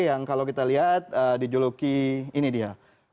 yang kalau kita lihat dijuluki ini dia